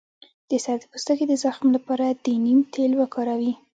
د سر د پوستکي د زخم لپاره د نیم تېل وکاروئ